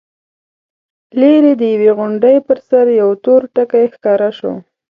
ليرې د يوې غونډۍ پر سر يو تور ټکی ښکاره شو.